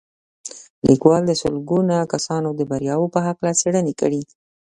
لیکوال د سلګونه کسانو د بریاوو په هکله څېړنې کړي